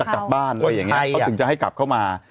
กลับบ้านอะไรอย่างนี้เขาถึงจะให้กลับเข้ามา